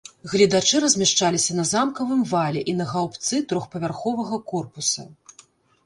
Гледачы размяшчаліся на замкавым вале і на гаўбцы трохпавярховага корпуса.